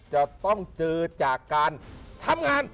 จะต้องเจอจากการทำงาน